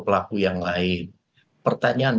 pelaku yang lain pertanyaan